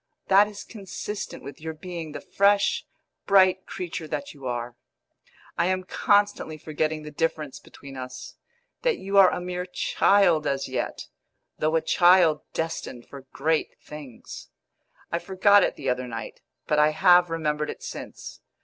That is consistent with your being the fresh, bright creature that you are. I am constantly forgetting the difference between us that you are a mere child as yet, though a child destined for great things. I forgot it the other night, but I have remembered it since.